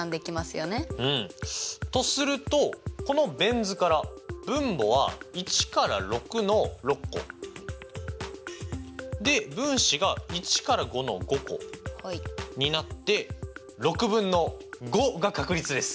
うん。とするとこのベン図から分母は１から６の６個で分子が１から５の５個になって６分の５が確率です！